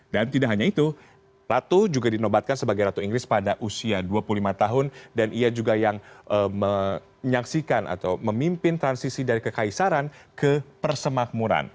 dan tidak hanya itu ratu juga dinobatkan sebagai ratu inggris pada usia dua puluh lima tahun dan ia juga yang menyaksikan atau memimpin transisi dari kekaisaran ke persatuan